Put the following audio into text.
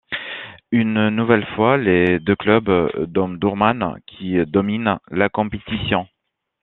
Une nouvelle fois, les deux clubs d'Omdourman qui dominent la compétition.